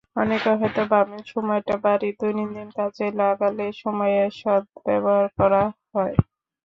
অনেকে হয়তো ভাবেন এসময়টা বাড়ির দৈনন্দিন কাজে লাগালে সময়ের সদ্ব্যবহার করা হয়।